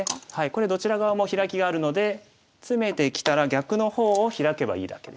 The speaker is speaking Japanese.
これどちら側もヒラキがあるのでツメてきたら逆の方をヒラけばいいだけですね。